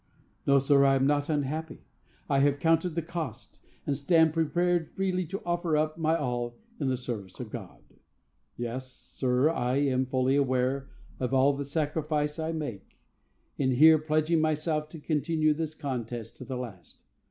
"No, sir, I am not unhappy. I have counted the cost, and stand prepared freely to offer up my all in the service of God. Yes, sir, I am fully aware of all the sacrifice I make, in here pledging myself to continue this contest to the last.